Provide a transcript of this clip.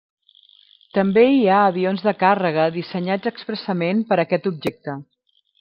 També hi ha avions de càrrega dissenyats expressament per aquest objecte.